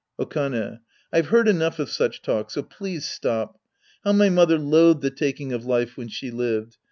Okane. I've heard enough of such talk, so please stop. How my mother loathed the taking of life when she lived